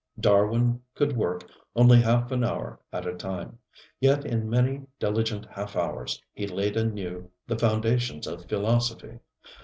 Darwin could work only half an hour at a time; yet in many diligent half hours he laid anew the foundations of philosophy.